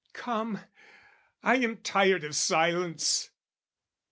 Come, I am tired of silence!